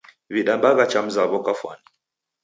W'idambagha cha mzaw'o kafwani.